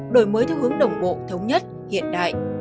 đổi mới theo hướng đồng bộ thống nhất hiện đại